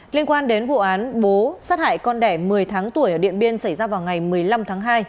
liên quan đến vụ án bố sát hại con đẻ một mươi tháng tuổi ở điện biên xảy ra vào ngày một mươi năm tháng hai